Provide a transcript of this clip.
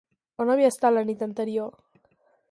On havia estat la nit anterior?